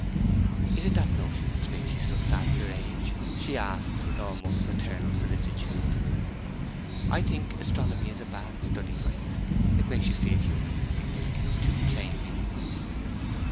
'Is it that notion which makes you so sad for your age?' she asked, with almost maternal solicitude. 'I think astronomy is a bad study for you. It makes you feel human insignificance too plainly.'